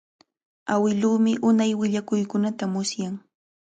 Awiluumi unay willakuykunata musyan.